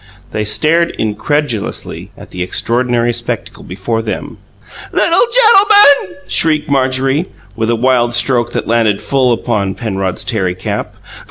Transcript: They stared incredulously at the extraordinary spectacle before them. "Little GEN TIL MUN!" shrieked Marjorie, with a wild stroke that landed full upon Penrod's tarry cap.